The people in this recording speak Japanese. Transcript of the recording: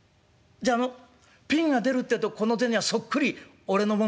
じゃあのピンが出るってえとこの銭はそっくり俺のもんだよ？